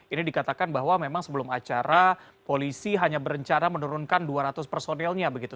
ini dikatakan bahwa memang sebelum acara polisi hanya berencana menurunkan dua ratus personelnya begitu